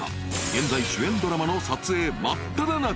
［現在主演ドラマの撮影真っただ中］